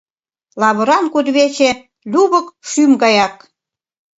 Лавыран кудывече лювык шӱм гаяк.